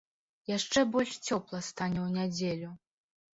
Яшчэ больш цёпла стане ў нядзелю.